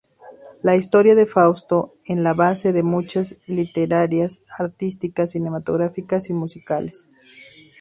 La historia de Fausto es la base de muchas literarias, artísticas, cinematográficas y musicales.